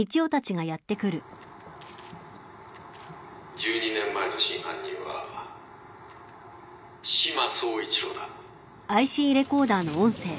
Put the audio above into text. １２年前の真犯人は志摩総一郎だ。